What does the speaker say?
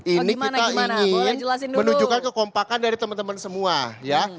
ini kita ingin menunjukkan kekompakan dari teman teman semua ya